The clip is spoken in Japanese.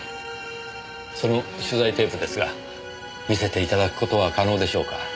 その取材テープですが見せて頂く事は可能でしょうか？